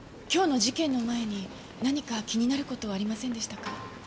今日の事件の前に何か気になる事はありませんでしたか？